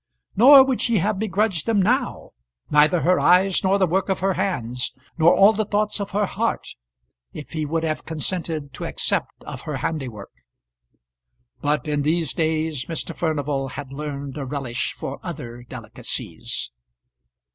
Nor would she have begrudged them now, neither her eyes nor the work of her hands, nor all the thoughts of her heart, if he would have consented to accept of her handiwork; but in these days Mr. Furnival had learned a relish for other delicacies.